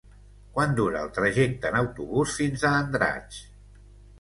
Quant dura el trajecte en autobús fins a Andratx?